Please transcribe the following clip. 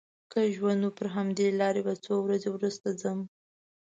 که ژوند و پر همدې لاره به څو ورځې وروسته ځم.